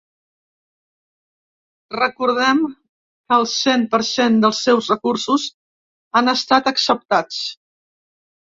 Recordem que el cent per cent del seus recursos han estat acceptats.